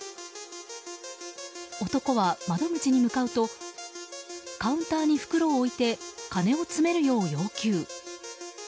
男は窓口に向かうとカウンターに袋を置いて金を詰めるよう要求。